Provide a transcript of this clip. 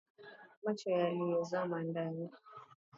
Macho yaliyozama ndani